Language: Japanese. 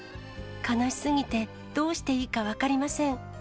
悲しすぎてどうしていいか分かりません。